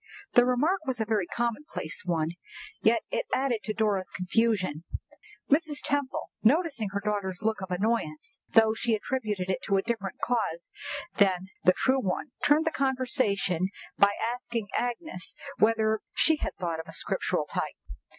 The remark was a very commonplace one, yet it added to Dora's confusion. Mrs. Temple, noticing her daughter's look of annoyance, though she attributed it to a different cause than the true one, turned the conversation by asking Agnes whether she had thought of a Scriptural type.